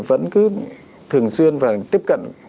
vẫn cứ thường xuyên và tiếp cận